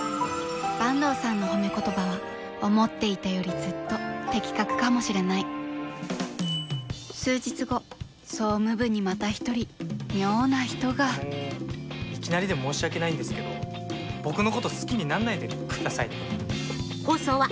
坂東さんの褒め言葉は思っていたよりずっと的確かもしれない数日後総務部にまた一人妙な人がいきなりで申し訳ないんですけど僕のこと好きになんないで下さいね。